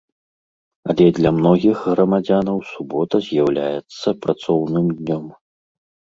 Але для многіх грамадзянаў субота з'яўляецца працоўным днём.